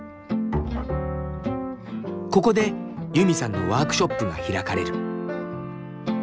ここでユミさんのワークショップが開かれる。